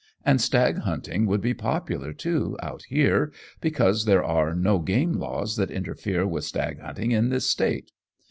And stag hunting would be popular, too, out here, because there are no game laws that interfere with stag hunting in this State.